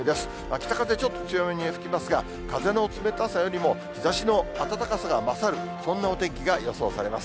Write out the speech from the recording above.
北風、ちょっと強めに吹きますが、風の冷たさよりも、日ざしの暖かさが勝る、そんなお天気が予想されます。